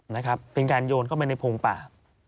นะครับเป็นการโยนเข้าไปในโพงป่า